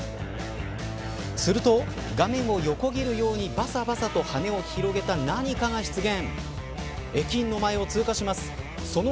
すると、画面を横切るようにばさばさと羽を広げた何かが出現。